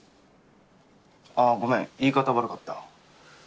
あぁごめん言い方悪かった。